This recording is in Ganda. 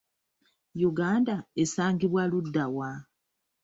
Uganda esangibwa luddawa?